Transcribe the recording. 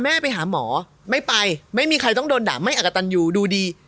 ไม่ไปไม่มีใครต้องโดนด่าไม่อักตันอยู่ดูดี